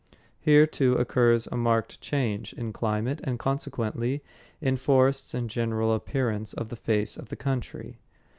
Here, too, occurs a marked change in climate and consequently in forests and general appearance of the face of the country.